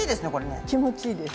気持ちいいです。